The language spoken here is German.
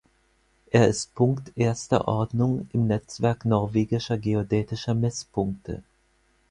Er ist Punkt erster Ordnung im Netzwerk norwegischer geodätischer Messpunkte.